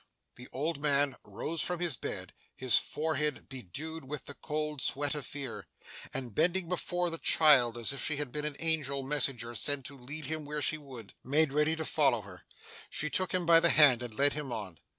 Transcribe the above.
The old man rose from his bed: his forehead bedewed with the cold sweat of fear: and, bending before the child as if she had been an angel messenger sent to lead him where she would, made ready to follow her. She took him by the hand and led him on.